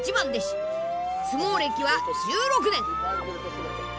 相撲歴は１６年！